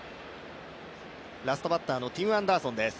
ラストバッターのティム・アンダーソンです。